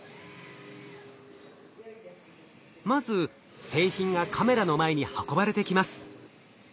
まず製品がカメラの前に運ばれてきます。